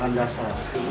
jadinya seperti ini ya